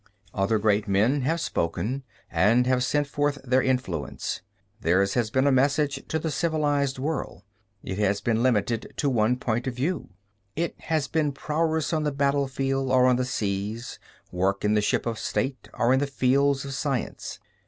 Other great men have spoken and have sent forth their influence. Theirs has been a message to the civilized world; it has been limited to one point of view. It has been prowess on the battlefield or on the seas, work in the ship of state or in the fields of science.